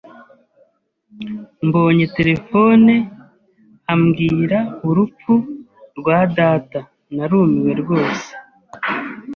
Mbonye terefone ambwira urupfu rwa data, narumiwe rwose.